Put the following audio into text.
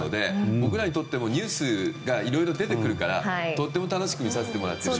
僕らにとってもニュースが色々出てくるからとても楽しく見させてもらっています。